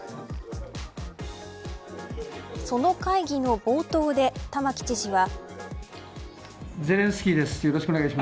その会議の冒頭で玉城知事は。